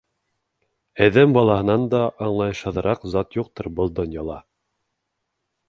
Әҙәм балаһынан да аңлайышһыҙ зат юҡтыр был донъяла.